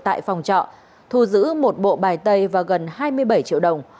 tại phòng trọ thu giữ một bộ bài tay và gần hai mươi bảy triệu đồng